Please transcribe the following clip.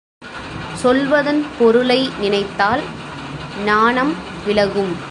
சொல்வதன் பொருளை நினைத்தால் நாணம் விலகும்.